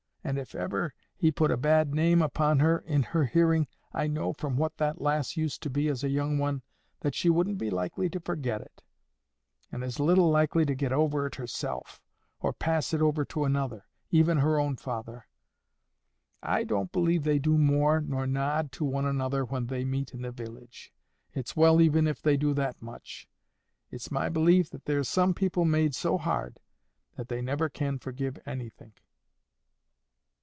And if ever he put a bad name upon her in her hearing, I know, from what that lass used to be as a young one, that she wouldn't be likely to forget it, and as little likely to get over it herself, or pass it over to another, even her own father. I don't believe they do more nor nod to one another when they meet in the village. It's well even if they do that much. It's my belief there's some people made so hard that they never can forgive anythink."